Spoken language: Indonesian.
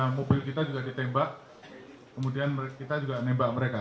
mobil kita juga ditembak kemudian kita juga nembak mereka